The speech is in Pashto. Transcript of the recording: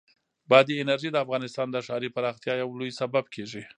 بادي انرژي د افغانستان د ښاري پراختیا یو لوی سبب کېږي.